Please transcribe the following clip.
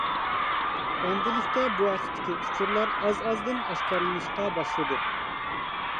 ئەمدىلىكتە بۇ ھەقتىكى ئۇچۇرلار ئاز-ئازدىن ئاشكارىلىنىشقا باشلىدى.